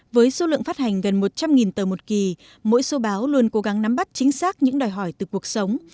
với số lượng phát hành gần một trăm linh tờ một kỳ mỗi số báo luôn cố gắng nắm bắt chính xác những đòi hỏi từ cuộc sống